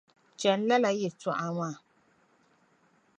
Chɛli lala yɛlitɔɣa maa